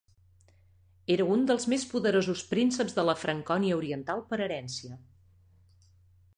Era un dels més poderosos prínceps de la Francònia oriental per herència.